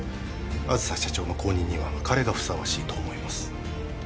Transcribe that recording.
梓社長の後任には彼がふさわしいと思います